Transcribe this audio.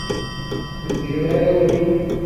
Teǧǧiḍ arraw-im.